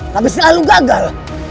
tapi selalu gagal